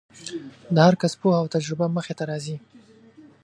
د هر کس پوهه او تجربه مخې ته راځي.